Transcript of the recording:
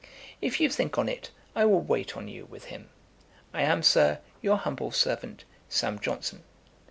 If you think on it, I will wait on you with him. 'I am, Sir, 'Your humble servant, 'SAM. JOHNSON.